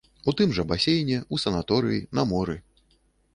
У тым жа басейне, у санаторыі, на моры.